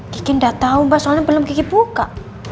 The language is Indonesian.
gigi gak tau mbak soalnya belum gigi buka